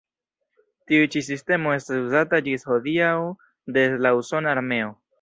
Tiu ĉi sistemo estas uzata ĝis hodiaŭ de la usona armeo.